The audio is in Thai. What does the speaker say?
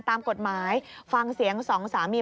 ตามกฎหมายฟังเสียงสองสามี